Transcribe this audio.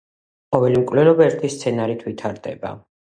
ყოველი მკვლელობა ერთი სცენარით ვითარდება.